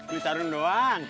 dari sarung doang